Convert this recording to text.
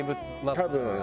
多分。